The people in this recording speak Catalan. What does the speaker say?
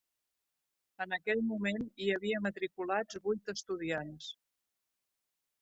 En aquell moment hi havia matriculats vuit estudiants.